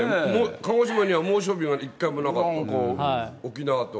鹿児島には猛暑日が一回もなかったって。